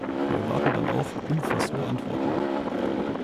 Wir erwarten dann auch umfassende Antworten.